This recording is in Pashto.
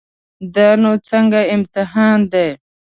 دا نو څنګه امتحان دی.